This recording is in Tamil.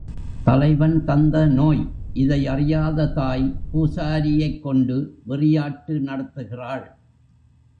தலைவன் தந்த நோய் இதை அறியாத தாய் பூசாரியைக் கொண்டு வெறியாட்டு நடத்துகிறாள்.